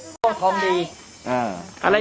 นี่เห็นจริงตอนนี้ต้องซื้อ๖วัน